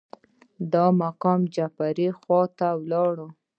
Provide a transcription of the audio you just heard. د مقام جعفر خواته لاړو.